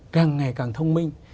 càng ngày càng thông minh